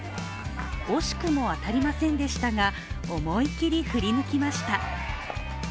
惜しくも当たりませんでしたが思い切り振り抜きました。